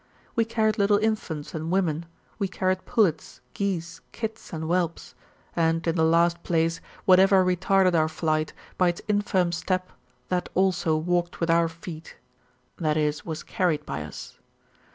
We carried little infants and women; we carried pullets, geese, kids, and whelps; and, in the last place, whatever retarded our flight, by its infirm step, that also walked with our feet [t,e. was carried by us].